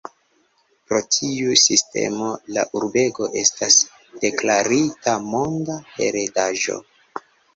Pro tiu sistemo la urbego estas deklarita Monda Heredaĵo.